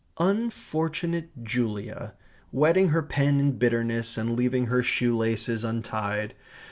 Unfortunate Julia! wetting her pen in bitterness, and leaving her shoe laces untied.